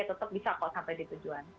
tetap bisa kok sampai di tujuan